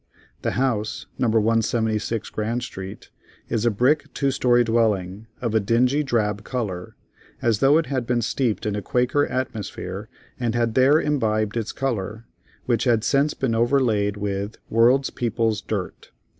The house No. 176 Grand Street is a brick two story dwelling, of a dingy drab color, as though it had been steeped in a Quaker atmosphere and had there imbibed its color, which had since been overlaid with "world's people's" dirt.